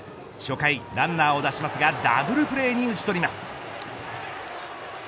初回ランナーを出しますがダブルプレーに打ち取ります。